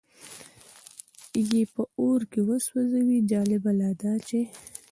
یې په اور کې وسوځي، جالبه لا دا چې.